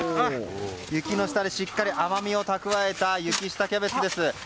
雪の下でしっかり甘みを蓄えた雪下キャベツです。